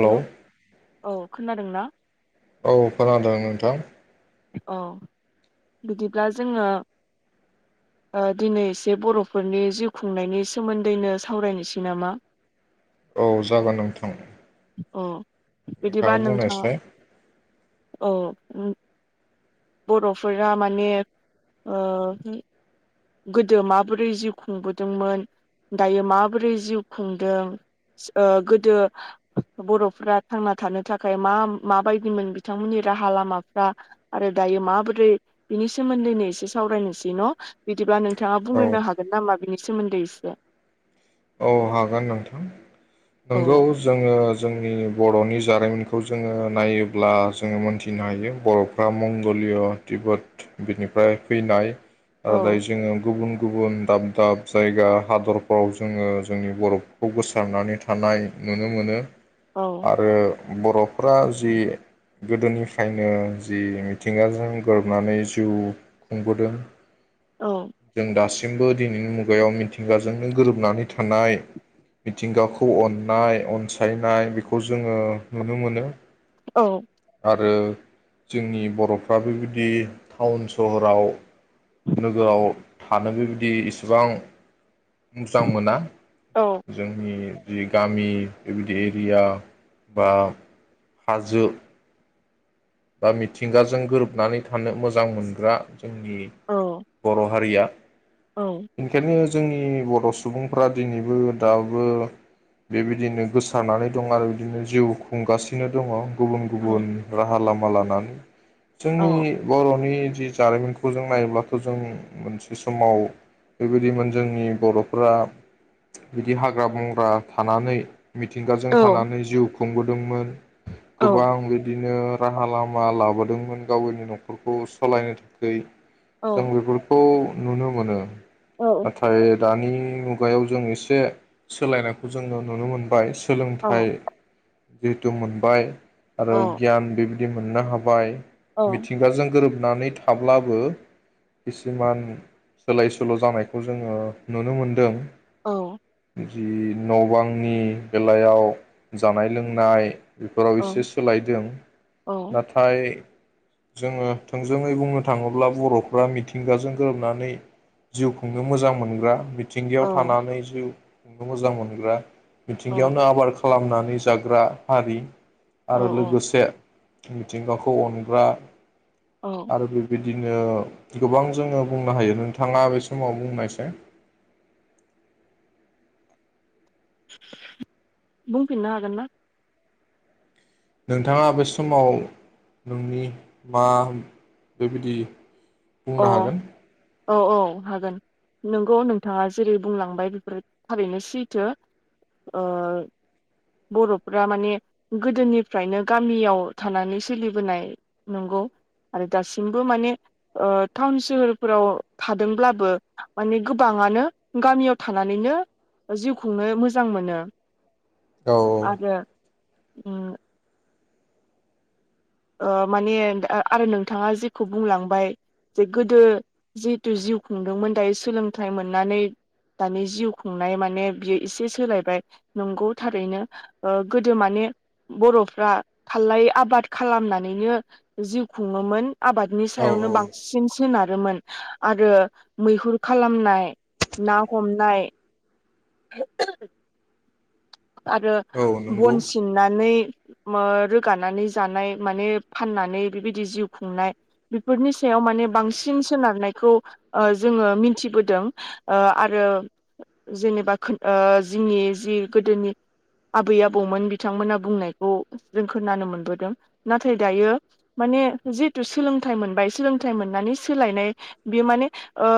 Hello औ खोनादों ना औ खोनादों नोंथां औ बिदिब्ला जोङो ओ दिनै एसे बरफोरनि जिउ खुंनायनि सोमोन्दैनो सावरायनोसै नामा औ जागोन नोंथां औ नोंथाङा बुंनायसाय उम बर'फोरा माने ओ गोदो माबोरै जिउ खुंबोदोंमोन दायो माबोरै जिउ खुंदों ओ गोदो बर'फ्रा थांना थानो थाखाय मा-माबायदिमोन बिथांमोननि राहा लामाफ्रा आरो दायो माबोरै बिनि सोमोन्दैनो एसे सावरायनोसै न बिदिबा नों बिथाङा औ बुंग्रोनो हागोन नामा बिनि सोमोन्दै इसे औ हागोन नोंथां औ नोंगौ जोङो जोंनि बर'नि जारिमिनखौ जोङो नायोब्ला जोङो मोनथिनो हायो बर'फ्रा मंगलिय तिबत बिनिफाय फैनाय ओ औ दायो जोङो गुबुन गुबुन दाब दाब जायगा हादरफ्राव जोङो जोंनि बरफोरखौ गोसारनानै थानाय नुनो मोनो औ आरो बरफोरा जि गोदोनिफ्रायनो जि मिथिंगाजों गोरोबनानै जिउ खुंबोदों औ जों दास जोबो दिनैनि मुगायाव मिथिंगाजोंनो गोरोब नानै थानाय मिथिंगाखौ अननाय अनसायनाय बेखौ जोङो नुनो मोनो औ आरो जोंनि बर'फ्राबो बिदि टाउन सहराव नोगोआव थानांगो बिदि इसिबां मोजां मोना औ जोंनि जि गामि बिबायदि एरिया बा हाजो बा मिथिंगाजों गोरोबनानै थानो मोजां मोनग्रा जोंनि औ बर हारिया औ इंखायनो जोंनि बर सुबुंफ्रा दिनैबो दाबो बेबिदिदिनो गोसारनानै दं आरो बिदिनो जिउ खुंगासिनो दङ। गुबुन औ गुबुन राहा लाम [unintelligible] लानानै औ जोंनि बरनि जि जारिमिनखौ जों नायोब्लाथ जों मोनसे समाव बेबायदिमोन जोंनि बरफोरा बिदि हाग्रा बंग्रा थानानै मिथिंगाजों थानानै जिउ खुंबोदोंमोन औ गोबां बिदि बिनो राहा लामा लाबोदोंमोन गावनि नखरखौ सालायनो थाखैय औ जों बेफोरखौ नुनो मोनो। नाथाय दानि मुगायाव जों इसे सोलायनायखौ जों नुनो मोनबाय सोलोंथाइ जिहेथु मोनबाय आरो गियान बे दि मोननो हाबाय मिथिंगाजों गोरोब नानै थाब्लाबो खिसुमान सोलाय सोल जानायखौ जोङो नुनो मोनदों। औ जि न बांनि बेलायाव जानाय लोंनाय बेफोराव औ एसे सोलायदों नाथाय जोङो थोंजोङै बुंनो थाङोब्ला बरफ्रा मिथिंगाजों गोरोबनानै जिउ खुंनो मोजां मोनग्रा बि मिथिंगायाव थानानै जिउ गाखौ मोजां मोनग्रा मिथिंगायावनो आबाद खालामनानै जाग्रा हारि। आरो औ औ लोगोसे मिथिंगाखौ अनग्रा औ आरो बिब्दिनो बिदिनो गोबां जोङो बुंनो हायो नोंथाङा बे समाव बुंनायसाय बुंफिननो हागोन ना नोंथाङा बे समाव नोंनि मा बेबायदि अ बुंनो हागोन औ औ हागोन नंगौ नोंथाङा जेरै बुंलांबाय बेफोर थारैनो सैथो ओ बरफ्रा माने गोदोनिफ्रायनो गामियाव थानानै सोलिबोनाय नंगौ आरो दासिमबो माने औ टाउन सोहोरफोराव थादोंब्लाबो माने गोबाङानो गामियाव थानानैनो जिउ खुंनो मोजां मोनो। औ आरो उम औ माने आरो नोंथाङा जेखौ बुंलांबाय जे गोदो जिहेथु जिउ खुंदोंमोन दायो सोलोंथाइ मोननानै दानि जिउ खुंनाय माने बियो एसे सोलायबाय नंगौ थारैनो ओ गोदो माने बरफ्रा थारलायै आबाद खालामनानैनो जिउ खुङोमोन। आबादनि औ सायावनो बांसिन सोनारोमोन आरो मैहुर खालामनाय ना हमनाय [unintelligible] आरो औ औ नंगौ बन सिननानै ओ रोगानानै जानाय माने फाननानै बेबायदि जिउ खुंनाय बेफोरनि सायाव माने बांसिन सोनारनायखौ ओ जोङो मिथिबोदों ओ आरो जेनेबा खोन ओ जोंनि जि गोदोनि आबै-आबौमोन बिथांमोनहा बुंनायखौ जों खोनानो मोनबोदों नाथाय दायो माने जिहेथु सोलोंथाइ मोनबाय सोलोंथाइ मोननानै सोलायनाय बेयो माने ओ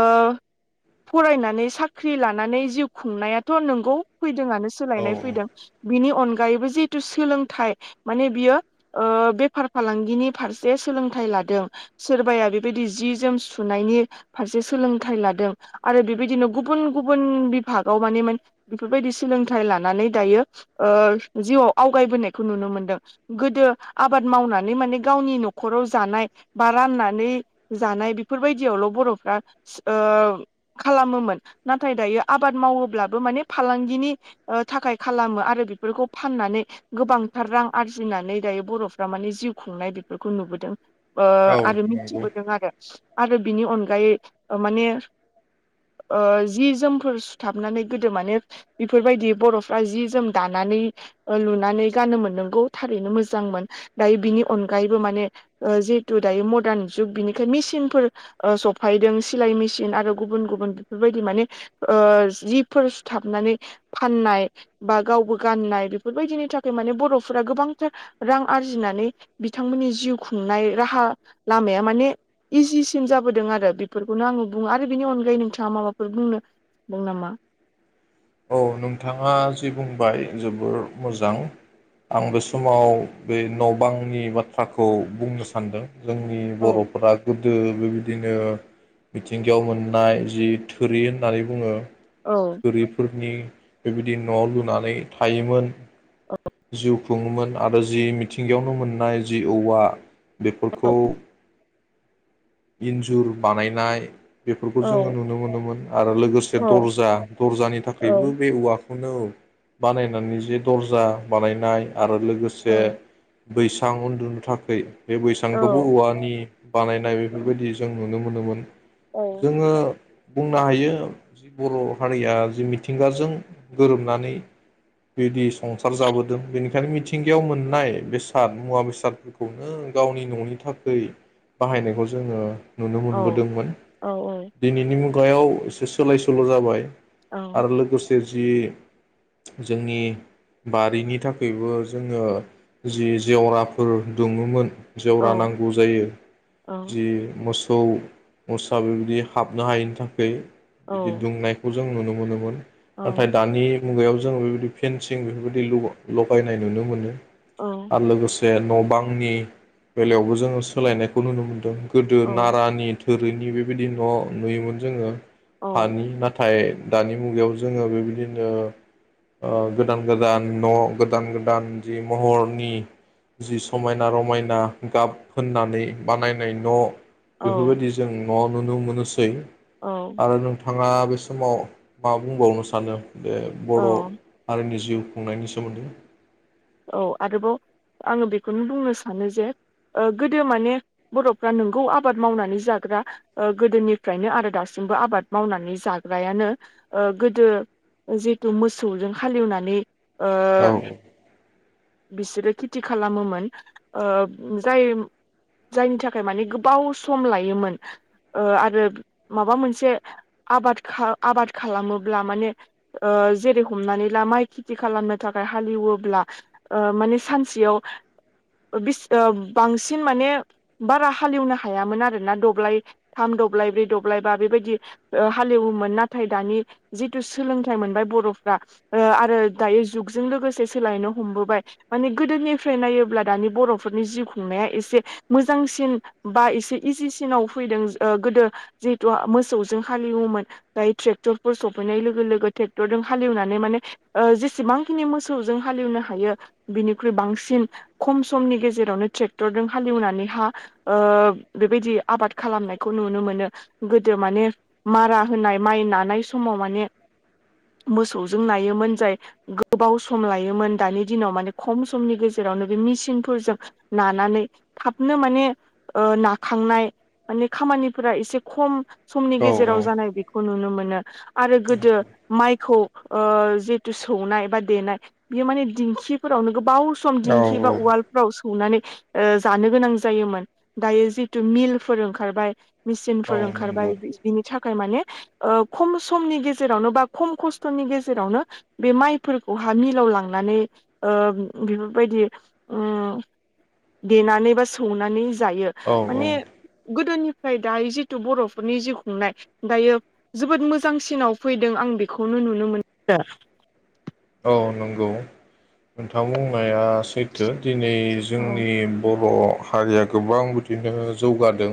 फरायनानै साख्रि लानानै जिउ खुंनायाथ नोंगौ फैदोंआनो औ सोलायनाय फैदों बिनि अनगायै गायैबो जिहेथु सोलोंथाइ माने बियो ओ बेफार फालांगिनि फारसे सोलोंथाइ लादों सोरबाया बेबायदि जि जोम सुनायनि फारसे सोलोंथाइ लादों आरो बेबायदिनो गुबुन-गुबुन बिभागाव माने मान बेफोरबायदि सोलोंथाइ थाय लानानै दायो ओ जिउआव आवगायबोनायखौ नुनो मोनदों गोदो आबाद मावनानै माने गावनि नखराव जानाय बा राननानै जानाय बेफोरबायदियावल बरफ्रा ओ खालामोमोन नाथाय दायो आबाद मावोब्लाबो माने फालांगिनि ओ थाखाय खालामो आरो बेफोरखौ फाननानै गोबांथार रां आरजिनानै दायो बरफ्रा माने जिउ खुंनाय बेफोरखौ नुबोदों। ओ औ औ आरो नंगौ मिथिबोदों आरो आरो बिनि अनगायै माने ओ जि जोमफोर सुथाबनानै गोदो माने बेफोरबायदि बरफ्रा जि जोम दानानै ओ लुनानै गानोमोन मोननांगौ थारैनो मोजांमोन दायो बिनि अनगायैबो माने ओ जिहेथु दायो मदार्न जुग बिनिखाय मेसिनफोर ओ सफायदों सिलाय मेसिन आरो गुबुन-गुबुन बेफोरबायदि माने ओ जिफोर सुथाबनानै फाननाय बा गावबो गाननाय बेफोरबायदिनि थाखाय माने बरफोरा गोबांथार रां आरजिनानै बिथांमोननि जिउ खुंनाय राहा लामाया माने इजिसिन जाबोदों आरो बेफोरखौनो आङो बुङो आरो बेनि अनगायै नोंथाङा माबाफोर बुंनो दं नामा औ नोंथाङा जि बुंबाय जोबोर मोजां आं बे समाव बे न बांनि बाथ्राखौ खौ बुंनो सानदों जोंनि औ बरफोरा गोब ओ बेबायदिनो मिथिंगायाव मोननाय जि थोरि होननानै बुङो औ फोरनि बेबायदि न लुनानै थायोमोन जुग बुङोमोन आरो जि मिथिंगायावनो मोननाय जि औवा बेफोरखौ इन्जुर बानायनाय बेफोरखौ जोङो औ नुनो मोनोमोन आरो लोगोसे औ औ दर्जा दर्जानि थाखाय बेबो बे औवा बानायनानै जे दर्जा बानायनाय आरो लोगोसे औ बैसां उन्दुनो थाखै बे औ बैसांखौबो औवानि बानायनाय औ बेफोरबायदि जों नुनो मोनो मोनोमोन औ जोङो बुंनो हायो जि बर' हारिया जि मिथिंगाजों गोरोबनानै बिदि संसार जाबोदों बेनिखायनो मिथिंगायाव मोननाय बेसाद मुवा बेसादफोरखौनो गावनि न'नि थाखै बाहायनायखौ जोङो नुनो औ मोनबोदोंमोन औ दिनैनि मुं गायाव एसे सोलाय सोल' जाबाय। औ आरो लोगोसे जि जोंनि बारिनि थाखायबो जोङो जि जेवराफोर दुमोमोन। जेवरा नांगौ जायो औ जि मोसौ थौ मसा बेबायदि हाबनो हायैनि थाखाय बिदि दुंनायखौ जों नुनो मोनो। मोन नाथाय दानि मुगायाव जों बेबायदि फेनसिं बेफोर बायदि ल-लगायनाय नुनो मोनो। आरो लोगोसे जे न' बांनि बेलायावबो जोङो सोलायनायखौ नुनो मोन्दों । गोदो नारानि थोरिनि बेबायदि न' नुयोमोन जोङो। हानि नाथाय दानि मुगायाव जोङो बेबायदिनो आ गोदान गोदान न' गोदान गोदान जि महरनि जि समायना रमायना गाब होननानै बानायनाय न' बेफोर औ बायदि जों न' नुनो मोनोसै। औ आरो नोंथांङा बे समाव मा बुंबावनो सानो। बे बर' औ हारिनि जिउ खुंनायनि सोमोन्दै। औ आरोबाव आङो बेखौनो बुंनो सानो जे ओ गोदो माने बर'फ्रा नोंगौ आबाद मावनानै जाग्रा गोदोनिफ्रायनो आरो दासिमबो आबाद मावनानै जाग्रायानो ओ गोदो जिहेथु मोसौजों हालेवनानै ओ औ बिसोरो खेथि खालामोमोन ओ जाय जायनि थाखाय माने गोबाव सम लायोमोन ओ आरो माबा मोनसे आबाद खा आबाद खालामोब्ला माने ओ जेरै हमनानै ला माइ खेथि खालामनो थाखाय हालेवो। ब्ला ओ माने सानसेयाव बि बांसिन माने बारा हालेवनो हायामोन आरोना दब्लाय थाम दब्लाय ब्रै दब्लाय बा बेबायदि हालेवोमोन नाथाय दानि जिथु सोलोंथाइ मोनबाय बरफ्रा ओ आरो दायो जुगजों लोगोसे सोलायनो हमबाय माने गोदोनिफ्राय नायोब्ला दानि बरफोरनि जिउ खुंनाया एसे मोजांसिन बा एसे इजिसिनाव फैदों ओ गोदो जिहेथु मोसौजों हालेवोमोन दायो ट्रेक्टरफोर सफैनाय लोगो लोगो ट्रेक्टरजों हालेवनानै माने ओ जेसेबांखिनि मो मोसौजों हालेवनो हायो बिनिख्रुइ बांसिन खम समनि गेजेरावनो ट्रेक्टरजों हालेवनानै हा ओ बेबायदि आबाद खालामनायखौ नुनो मोनो गोदो माने मारा होनाय माइ नानाय समाव माने मोसौजों नायोमोन जाय गोबाव सम सम लायोमोन दानि दिनाव माने खम समनि गेजेरावनो बे मेसिनफोरजों नानानै थाबनो माने नाखांनाय माने खामानिफोरा एसे खम समनि गेजेराव जानाय बेखौ नुनो मोनो मोनो आरो गोदो माइखौ ओ जिथु सौनाय बा देनाय बेयो माने दिंखिफोरावनो गोबाव सम सम औ दिंखि बा उवालफ्राव सौ नानै ओ जानो गोनां जायोन दायो जितु मिलफोर ओंखारबाय मेचनफोर औ ओंखारबाय नंगौ बिनि थाखाय माने खम समनि गेजेरावनो बा खम खस्थनि गेजेरावनो बे माइ फोरखौ हा मिलाव लांनानै ओ बेफोरबायदि उम देनानै बा सौवनानै। जायो औ औ माने गोदोनिफ्राय दायो जिथु बरफोरनि जिउ खुंनाय दायो जोबोद मोजांसिनाव फैदों आं बेखौनो नुनो मोनो औ नंगौ नोंथां बुंनाया सैथो। दिनै औ जोंनि बर हारिया गोबां बिदिनो जौगादों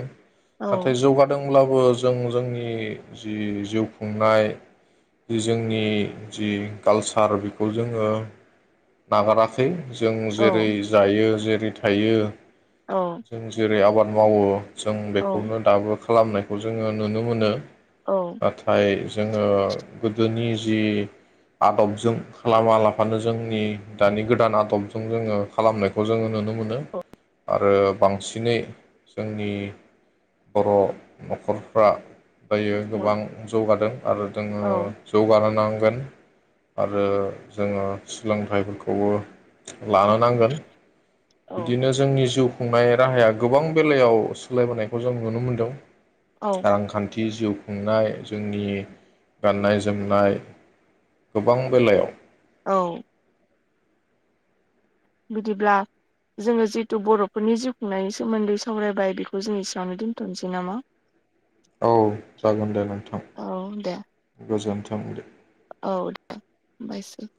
औ नाथाय जौगादों अब्लाबो जों जोंनि जि जिउ खुंनाय जि जोंनि जि कालसा सार बेखौ जोङो नागाराखै जों औ जेरै जायो जे फ्रि थायो औ जों जेरै आबाद मावो जों औ बेखौनो दाबो खालामनायखौ जोङो नुनो मोनो औ नाथाइ जोङो गोदोनि जि आदब जों खालामा लाफानो जोंनि दानि गोदान आदबजों जोङो खालामनायखौ जोङो नुनो मोनो आरो बांसिनै जोंनि बर नखरफ्रा दायो औ गोबां जौगादों आरो जोङो औ जौगानो नांगौ गोन आरो जोङो सोलोंथाइफोरखौबो लानो नांगोन औ बिदिनो जोंनि जुग खुंनाय राहाया गोबां बेलायाव सोलायबोनायखौ जों नुनो मोनदों औ रांखान्थि जि जिउ खुंनाय जोंनि गाननाय जोमनाय गोबां बेलायाव औ बिदिब्ला जोङो जिथु बर'फोरनि जिउ खुंनायनि सोमोन्दै सावरायबाय बेखौ जों इसेयावनो दोन्थनोसै नामा? औ जागोन दे नोंथां औ दे गोजोनथों। [unintelligible] औ दे [unintelligible]